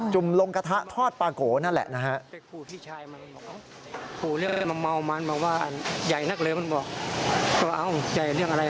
จุ่มลงกระทะทอดปลาก๋วนั่นแหละ